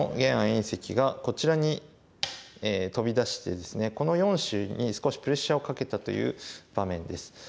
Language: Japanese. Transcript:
因碩がこちらにトビ出してですねこちらの４子に少しプレッシャーをかけたという場面です。